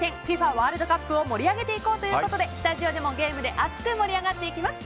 ワールドカップを盛り上げていこうということでスタジオでもゲームで熱く盛り上がっていきます。